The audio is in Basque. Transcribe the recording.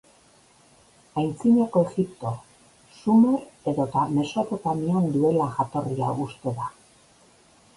Aintzinako Egipto, Sumer edota Mesopotamian duela jatorria uste da.